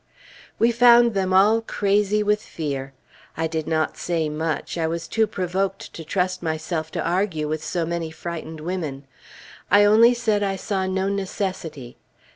We found them all crazy with fear. I did not say much; I was too provoked to trust myself to argue with so many frightened women. I only said I saw no necessity.